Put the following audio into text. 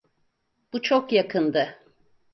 Bu çok yakındı.